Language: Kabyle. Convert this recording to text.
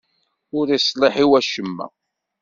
Ur iṣliḥ i wacemma.